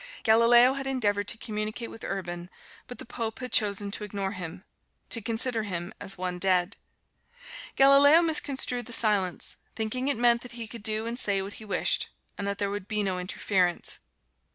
Galileo had endeavored to communicate with Urban, but the Pope had chosen to ignore him to consider him as one dead. Galileo misconstrued the silence, thinking it meant that he could do and say what he wished and that there would be no interference.